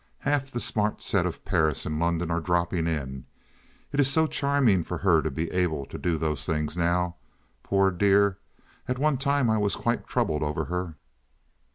Half the smart set of Paris and London are dropping in. It is so charming for her to be able to do those things now. Poor dear! At one time I was quite troubled over her."